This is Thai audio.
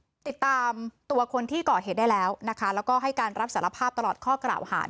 มีอาวุธปืนและเครื่องกระสุนโดยไม่ได้รับอนุญาตและพกพาอาวุธปืนไปในเมืองหมู่บ้านหรือทางสาธารณะ